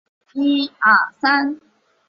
也担任川内核电厂差止诉讼原告团副团长。